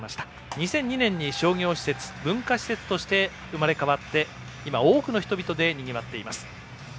２００２年に商業施設文化施設として生まれ変わって今は多くの人でにぎわっています。